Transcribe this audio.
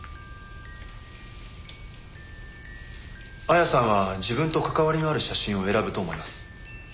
亜矢さんは自分と関わりのある写真を選ぶと思います。